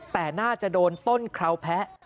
แต่น่าจะโดนต้นคราวแพะ